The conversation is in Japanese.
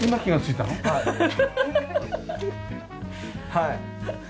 はい。